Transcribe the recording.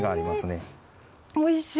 おいしい。